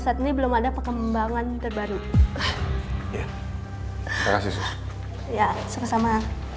saat ini belum ada pengembangan terbaru ya sama sama